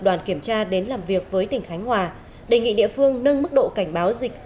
đoàn kiểm tra đến làm việc với tỉnh khánh hòa đề nghị địa phương nâng mức độ cảnh báo dịch